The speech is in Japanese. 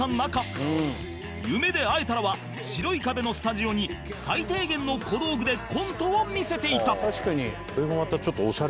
『夢で逢えたら』は白い壁のスタジオに最低限の小道具でコントを見せていた